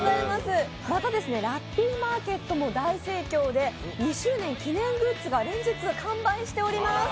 またラッピーマーケットも大盛況で２周年記念グッズが連日完売しております。